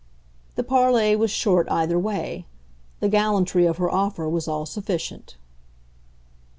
The parley was short either way; the gallantry of her offer was all sufficient.